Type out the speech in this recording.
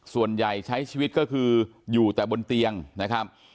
ใช้ชีวิตก็คืออยู่แต่บนเตียงนะครับ